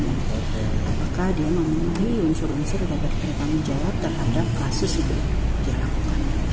apakah dia mengambil unsur unsur yang dapat kita menjawab terhadap kasus yang dia lakukan